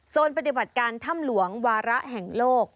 ปฏิบัติการถ้ำหลวงวาระแห่งโลก